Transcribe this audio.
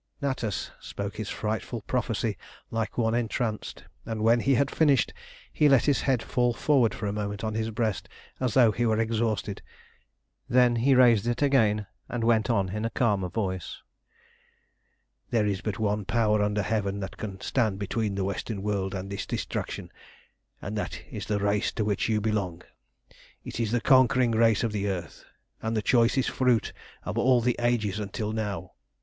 Natas spoke his frightful prophecy like one entranced, and when he had finished he let his head fall forward for a moment on his breast, as though he were exhausted. Then he raised it again, and went on in a calmer voice "There is but one power under heaven that can stand between the Western world and this destruction, and that is the race to which you belong. It is the conquering race of earth, and the choicest fruit of all the ages until now.